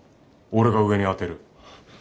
俺が上に当てる。